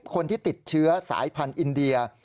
คนที่ติดเชื้อสายพันธุ์อินเดีย